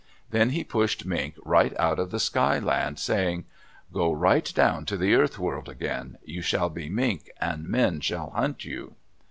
Then he pushed Mink right out of the Sky Land, saying, "Go right down to the Earth World again. You shall be mink and men shall hunt you."